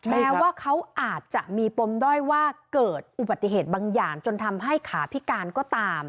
แม้ว่าเขาอาจจะมีปมด้อยว่าเกิดอุบัติเหตุบางอย่างจนทำให้ขาพิการก็ตาม